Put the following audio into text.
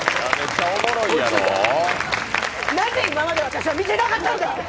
なぜ今まで私は見ていなかったんだ！